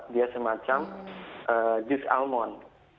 dia semacam jus almond